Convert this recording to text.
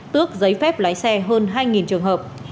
tước giấy phép lái xe hơn hai trường hợp